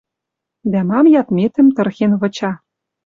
Дӓ мам ядметӹм тырхен выча.